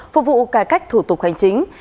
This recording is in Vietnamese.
phục vụ cải cách thủ tục hành chính